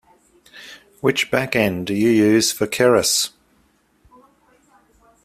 Which backend do you use for Keras?